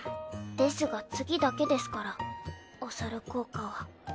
ですが次だけですからおサル効果は。